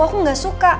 aku gak suka